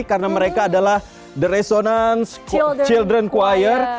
karena mereka adalah the resonance children's choir